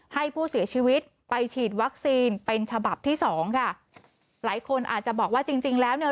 ให้ผู้เสียชีวิตไปฉีดวัคซีนเป็นฉบับที่สองค่ะหลายคนอาจจะบอกว่าจริงจริงแล้วเนี่ย